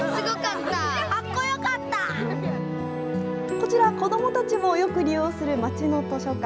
こちら、子どもたちもよく利用する街の図書館。